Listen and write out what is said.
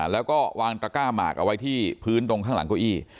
แล้วก็วางตระก้าหมากเอาไว้ที่พื้นตรงข้างหลังเก้าอี้